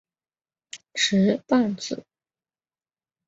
石皋子。